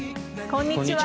こんにちは。